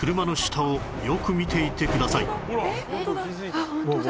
あっホントだ。